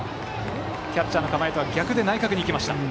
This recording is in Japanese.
キャッチャーの構えとは逆で内角に行きました。